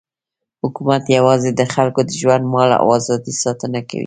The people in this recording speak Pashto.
حکومت یوازې د خلکو د ژوند، مال او ازادۍ ساتنه کوي.